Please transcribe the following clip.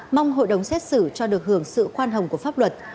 mong hội đồng xét xử cho được hưởng sự khoan hồng của pháp luật